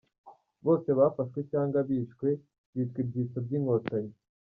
Bose bafashwe cyangwa bishwe bitwa ibyitso by’Inkotanyi.